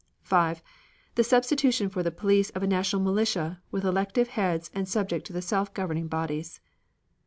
5. The substitution for the police of a national militia, with elective heads and subject to the self governing bodies.